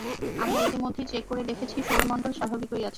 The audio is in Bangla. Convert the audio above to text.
আমরা ইতোমধ্যেই চেক করে দেখেছি, সৌরমন্ডল স্বাভাবিকই আছে।